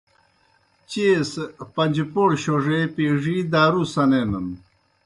چیئے سہ پنجپَوڑ شوڙے، پیڙِی دارُو سنینَن۔